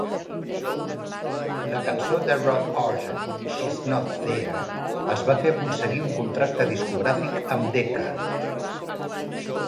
La cançó de Rod Argent, "She's Not There", els va fer aconseguir un contracte discogràfic amb Decca.